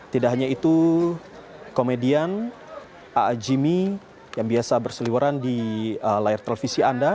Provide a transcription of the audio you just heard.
tidak hanya itu komedian a a jimmy yang biasa berseliwaran di layar televisi anda